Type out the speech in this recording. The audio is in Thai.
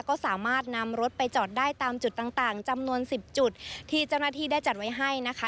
ก็สามารถนำรถไปจอดได้ตามจุดต่างต่างจำนวนสิบจุดที่เจ้าหน้าที่ได้จัดไว้ให้นะคะ